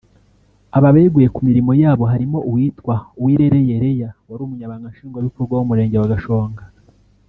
Aba beguye ku mirimo yabo harimo uwitwa Uwirereye Lea wari Umunyamabanga Nshingwabikorwa w’Umurenge wa Gashonga